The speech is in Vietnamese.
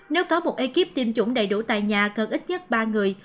nếu có một ekip tiêm chủng đầy đủ tại nhà cần ít nhất ba người